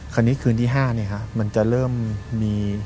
คราวนี้คืนที่๕มันจะเริ่มมี